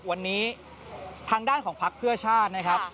วันนี้ทางด้านของพักเพื่อชาตินะครับ